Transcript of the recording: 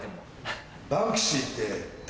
「バンクシーって誰？」。